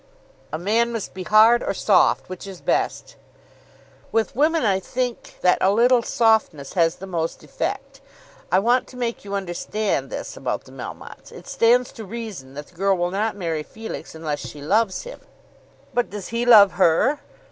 "A man must be hard or soft, which is best?" "With women I think that a little softness has the most effect. I want to make you understand this about the Melmottes. It stands to reason that the girl will not marry Felix unless she loves him." "But does he love her?"